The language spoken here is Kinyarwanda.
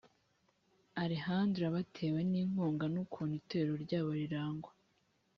alejandro batewe inkunga n ukuntu itorero ryabo rirangwa